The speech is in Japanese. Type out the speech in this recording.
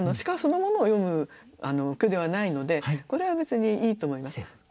鹿そのものを詠む句ではないのでこれは別にいいと思います。